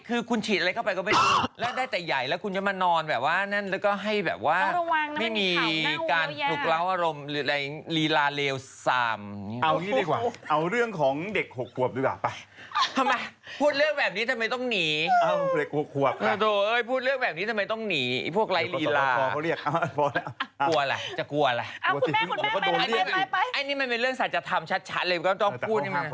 คุณแม่จะได้บอกให้น้องรู้ว่าจะได้บอกให้น้องรู้ว่าจะได้บอกให้น้องรู้ว่าจะได้บอกให้น้องรู้ว่าจะได้บอกให้น้องรู้ว่าจะได้บอกให้น้องรู้ว่าจะได้บอกให้น้องรู้ว่าจะได้บอกให้น้องรู้ว่าจะได้บอกให้น้องรู้ว่าจะได้บอกให้น้องรู้ว่าจะได้บอกให้น้องรู้ว่าจะได้บอกให้น้องรู้ว่าจะ